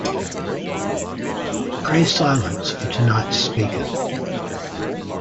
Pray silence for tonight’s speaker.